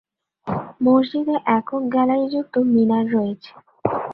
মসজিদে একক-গ্যালারিযুক্ত মিনার রয়েছে।